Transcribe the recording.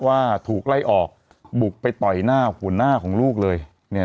ว่าถูกไล่ออกบุกไปต่อยหน้าหัวหน้าของลูกเลยเนี่ย